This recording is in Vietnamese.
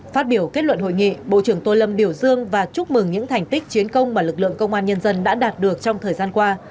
phát biểu kết luận hội nghị bộ trưởng tô lâm biểu dương và chúc mừng những thành tích chiến công mà lực lượng công an nhân dân đã đạt được trong thời gian qua